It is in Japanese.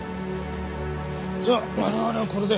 じゃあ我々はこれで。